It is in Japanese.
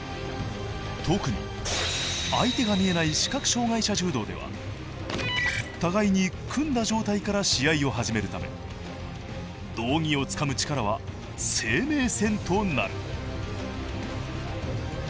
特に相手が見えない視覚障がい者柔道では互いに組んだ状態から試合を始めるため道着をつかむ力は生命線となる。